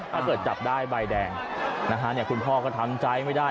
ถ้าเกิดจับได้ใบแดงนะฮะคุณพ่อก็ทำใจไม่ได้